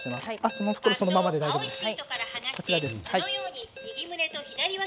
その袋はそのままで大丈夫です。